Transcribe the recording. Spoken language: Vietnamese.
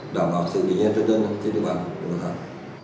đảm bảo sự kỷ niên chân dân trên địa bàn của bảo thắng